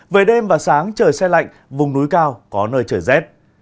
về đêm và sáng trời xe lạnh vùng núi cao có nơi trời rét